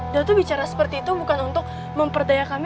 dato' bicara seperti itu bukan untuk memperdaya kami